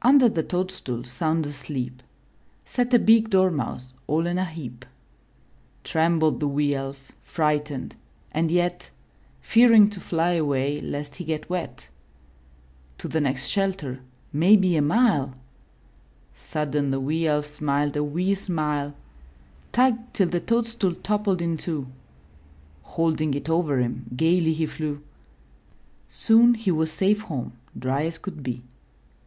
Under the toadstool sound asleep. Sat a big Dormouse all in a heap. Trembled the wee Elf, frightened, and yet Fearing to fly away lest he get wet. To the next shelter — maybe a mile! Sudden the wee Elf smiled a wee smile, Tugged till the toadstool toppled in two. Holding it over him, gayly he flew. Soon he was safe home, dry as could be.